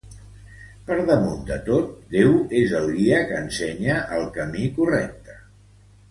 Per damunt de tot, Déu és el guia que ensenya el camí correcte.